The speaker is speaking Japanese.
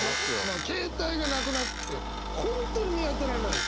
まあ携帯がなくなって本当に見当たらない。